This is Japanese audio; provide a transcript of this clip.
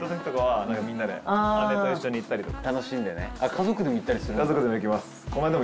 家族でも行ったりするんだ。